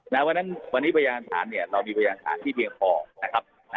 เพราะฉะนั้นวันนี้พยานฐานเนี่ยเรามีพยานฐานที่เพียงพอนะครับ